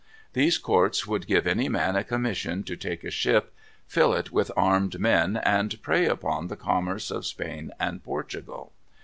These courts would give any man a commission to take a ship, fill it with armed men, and prey upon the commerce of Spain and Portugal.